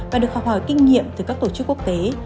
và kinh nghiệm từ các tổ chức quốc tế